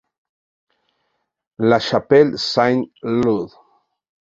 La Chapelle-Saint-Laud